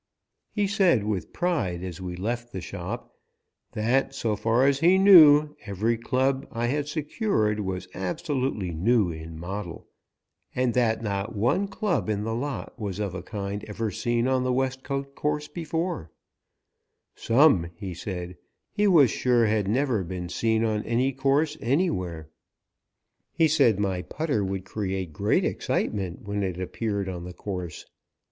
He said with pride, as we left the shop, that, so far as he knew, every club I had secured was absolutely new in model, and that not one club in the lot was of a kind ever seen on the Westcote course before. Some he said, he was sure had never been seen on any course anywhere. He said my putter would create great excitement when it appeared on the course.